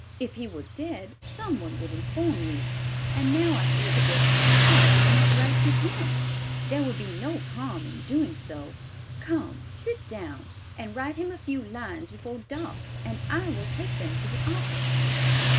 If he were dead, some one would inform you. And now I think of it, why do you not write to him? There would be no harm in doing so. Come, sit down, and write him a few lines before dark, and I will take them to the office."